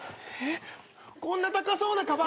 こんな高そうなかばん。